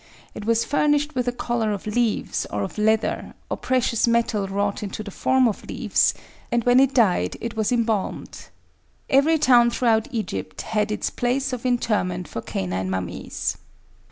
It was furnished with a collar of leaves, or of leather, or precious metal wrought into the form of leaves, and when it died it was embalmed. Every town throughout Egypt had its place of interment for canine mummies.